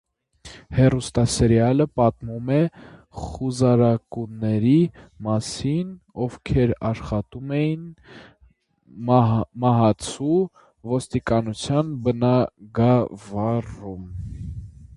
Հեռուստասերիալը պատմում է խուզարկուների մասին, ովքեր աշխատում էին «մահացու» ոստիկանության բնագավառում։